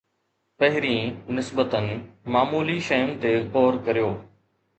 پهرين نسبتا معمولي شين تي غور ڪريو.